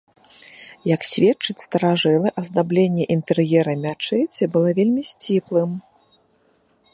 Як сведчаць старажылы, аздабленне інтэр'ера мячэці было вельмі сціплым.